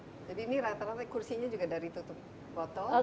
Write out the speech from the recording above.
jadi ini rata rata kursinya juga dari tutup botol